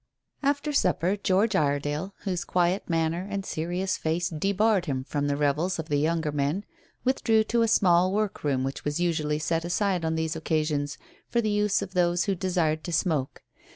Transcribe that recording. After supper George Iredale, whose quiet manner and serious face debarred him from the revels of the younger men, withdrew to a small work room which was usually set aside on these occasions for the use of those who desired to smoke.